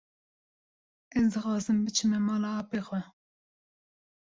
Ez dixwazim biçime mala apê xwe.